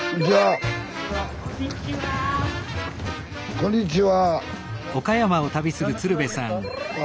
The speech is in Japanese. こんにちは。